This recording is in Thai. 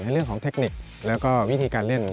เรื่องของเทคนิคแล้วก็วิธีการเล่น